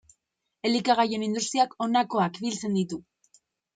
Elikagaien industriak honakoak biltzen ditu.